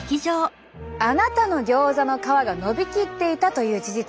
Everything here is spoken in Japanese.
あなたのギョーザの皮がのびきっていたという事実。